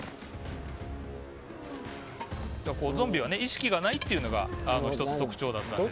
ゾンビは意識がないというのが１つ、特徴だったんですが。